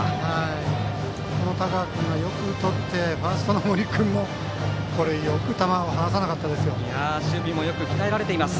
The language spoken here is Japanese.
田川君がよくとってファーストの森君もよくボールを離さなかったです。